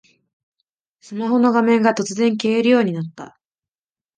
スマホの画面が突然消えるようになった